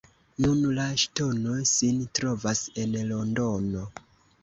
Nun la ŝtono sin trovas en Londono.